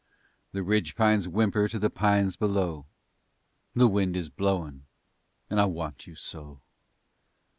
The ridge pines whimper to the pines below. The wind is blowin' and I want you so.